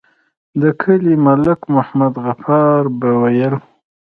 د کلي ملک محمد غفار به ويل.